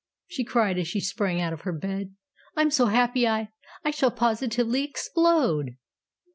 she cried, as she sprang out of her bed. "I'm so happy I I shall positively explode!"